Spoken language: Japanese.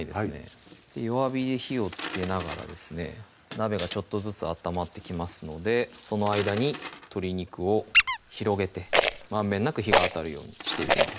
弱火で火をつけながらですね鍋がちょっとずつ温まってきますのでその間に鶏肉を広げてまんべんなく火が当たるようにしていきます